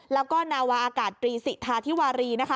และนาวะอากาศตรีสิธาธิวารีนะคะ